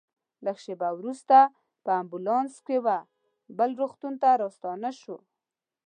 لږ شېبه وروسته په امبولانس کې وه بل روغتون ته راستانه شوو.